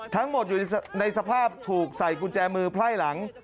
ทั้งหมดอยู่ในสภาพถูกใส่กุญแจมือไพร่หลัง